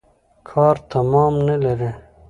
کار تمام نلري.